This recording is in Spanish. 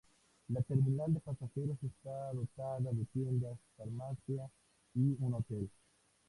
La terminal de pasajeros está dotada de tiendas, farmacia y un hotel.